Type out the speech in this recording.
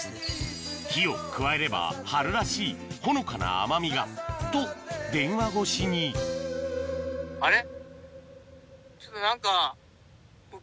火を加えれば春らしいほのかな甘みがと電話越しにちょっと何か。